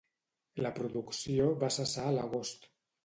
La producció va cessar a l'agost.